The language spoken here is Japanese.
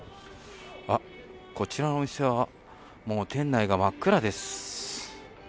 こちらのお店は、店内が真っ暗です。